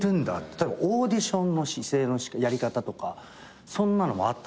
例えばオーディションの姿勢やり方とかそんなのもあったりとかして。